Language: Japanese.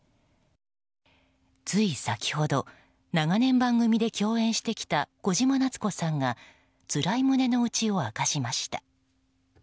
つい先ほど長年、番組で共演してきた小島奈津子さんがつらい胸の内を明かしました。